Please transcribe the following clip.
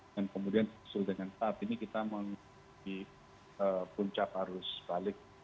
dan kemudian sudah dengan saat ini kita mencari puncak arus balik